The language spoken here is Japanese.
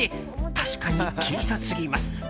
確かに小さすぎます。